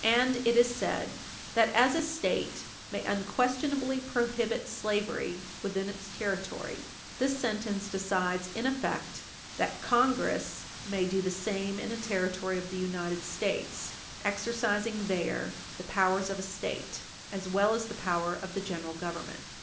And it is said that, as a State may unquestionably prohibit slavery within its territory, this sentence decides in effect that Congress may do the same in a Territory of the United States, exercising there the powers of a State as well as the power of the General Government.